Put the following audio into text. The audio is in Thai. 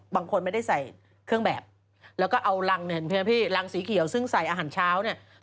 บางคนไม่ได้ใส่เครื่องแบบแล้วก็เอารังเนี่ยเห็นไหมพี่รังสีเขียวซึ่งใส่อาหารเช้าเนี่ย